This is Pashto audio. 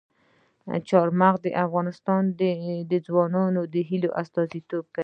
چار مغز د افغان ځوانانو د هیلو استازیتوب کوي.